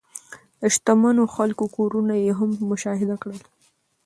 د شتمنو خلکو کورونه یې هم مشاهده کړل.